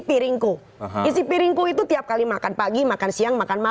piringku isi piringku itu tiap kali makan pagi makan siang makan malam makan siang makan malam